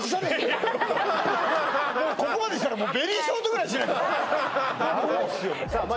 もうここまできたらベリーショートぐらいにしないとさあま